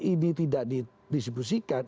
ini tidak didisibusikan